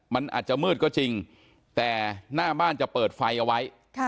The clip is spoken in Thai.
มันอาจจะมืดก็จริงแต่หน้าบ้านจะเปิดไฟเอาไว้